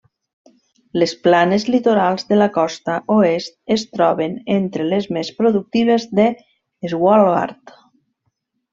Les planes litorals de la costa oest es troben entre les més productives de Svalbard.